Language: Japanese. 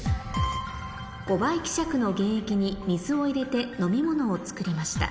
５倍希釈の原液に水を入れて飲み物を作りました